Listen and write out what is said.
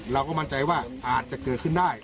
เราก็มั่นใจว่าอาจจะเกิดขึ้นได้